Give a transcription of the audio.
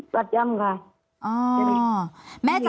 ตัดย่ำค่ะ